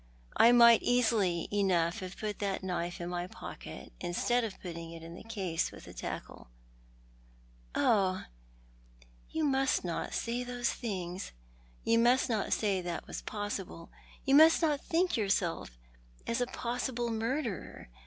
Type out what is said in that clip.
I might easily enough have put that knife in my pocket instead of putting it in the case with the tackle." " Oh, you must not say these things — you must not say that ft was possible — you must not think of yourself as a pos sible murderer.